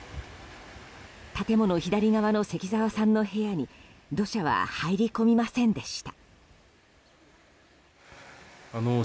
建物左側の関澤さんの部屋に土砂は入り込みませんでした。